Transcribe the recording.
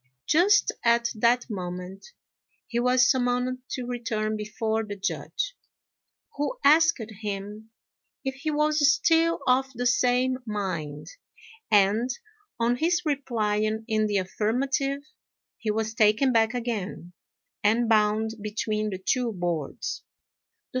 Just at that moment he was summoned to return before the Judge, who asked him if he was still of the same mind; and, on his replying in the affirmative, he was taken back again, and bound between the two boards.